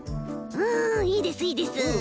うんいいですいいです。